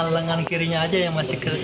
lengan kirinya aja yang masih kecil